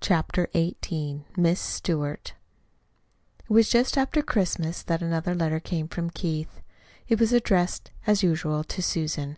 CHAPTER XVIII "MISS STEWART" It was just after Christmas that another letter came from Keith. It was addressed as usual to Susan.